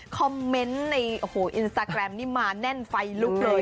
คอมเมนต์ในโอ้โหอินสตาแกรมนี่มาแน่นไฟลุกเลย